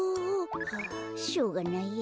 はあしょうがないや。